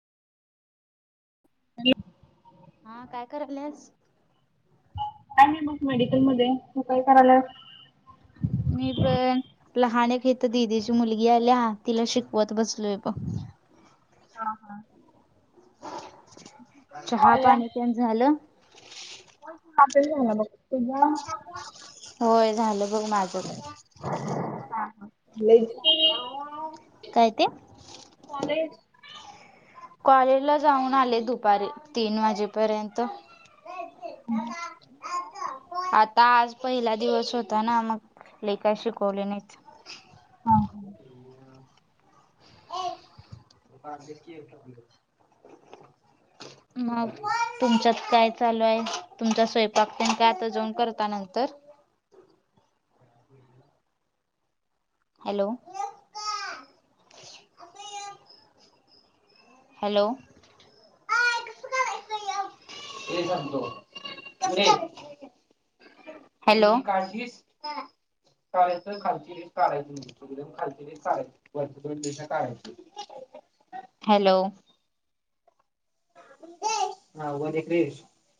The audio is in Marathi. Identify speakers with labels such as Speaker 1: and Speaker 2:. Speaker 1: ह
Speaker 2: हा काय करायलस
Speaker 1: आणि मग मेडिकलमध्येध्ये त काय करायला
Speaker 2: नप लहान खेत दीदीची मुलगी आल्या तिला शिकवत बसलोय प
Speaker 1: हा हा
Speaker 2: चहा पाणी पण झालं
Speaker 1: ब
Speaker 2: होय झालं बघ माझं
Speaker 1: [inaudible]
Speaker 2: काही ते
Speaker 1: कॉलेज
Speaker 2: कॉलेजला जाऊन आले दुपारी तीन वाजेपर्यंत
Speaker 1: [unintelligible]
Speaker 2: आता आज पहिला दिवस होता ना मग लय शिकवले नाहीच
Speaker 1: [unintelligible]
Speaker 2: [unintelligible] [inaudible] मग तुमच्यात काय चालू आहे तुमचा स्वयंपाक पण का आता जाऊन करता नंतर हॅलो हॅलो [inaudible] ते सांगतो [inaudible] हॅलो कारायचं खालचीरी कायचंम खाल काय वर्रायच [inaudible] हॅलो [inaudible] हा वद क्रेश [inaudible]